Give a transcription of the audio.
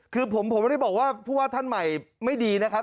คือผมไม่ได้บอกว่าผู้ว่าท่านใหม่ไม่ดีนะครับ